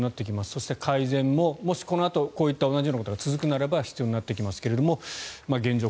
そして、改善もこのあともしこういった同じことが続くならば必要になってきますが現状